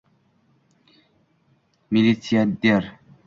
Militsiarder...